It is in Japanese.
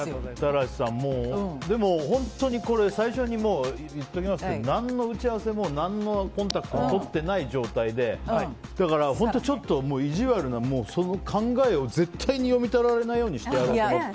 最初に言っておきますけど何の打ち合わせも何のコンタクトもとってない状態でだから、本当に意地悪ですが考えを絶対に読み取られないようにしてやろうと思って。